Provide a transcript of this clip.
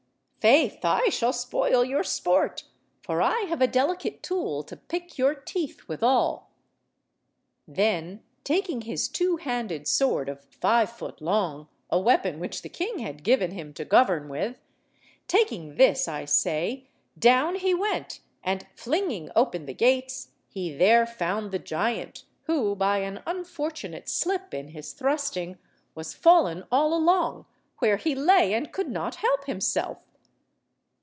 Faith, I shall spoil your sport, for I have a delicate tool to pick your teeth withal." Then, taking his two–handed sword of five foot long, a weapon which the king had given him to govern with,—taking this, I say, down he went, and flinging open the gates, he there found the giant, who, by an unfortunate slip in his thrusting, was fallen all along, where he lay and could not help himself.